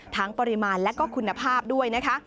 ปริมาณและก็คุณภาพด้วยนะคะ